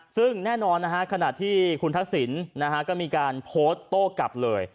ซึ่งแน่นอนขณะที่คุณทักษิณก็มีการโพสต์โต้กลับเลย